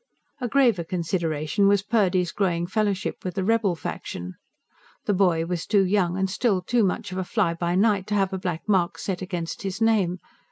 A graver consideration was Purdy's growing fellowship with the rebel faction. The boy was too young and still too much of a fly by night to have a black mark set against his name.